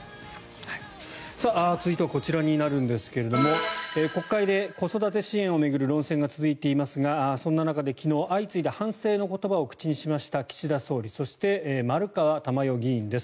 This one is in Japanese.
続いてはこちらになりますが国会で子育て支援を巡る論戦が続いていますがそんな中で昨日相次いで反省の言葉を口にしました、岸田総理そして、丸川珠代議員です。